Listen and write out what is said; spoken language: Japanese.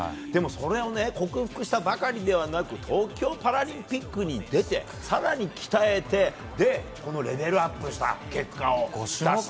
でも、それを克服したばかりではなく東京パラリンピックに出て更に鍛えて、レベルアップした結果を出した。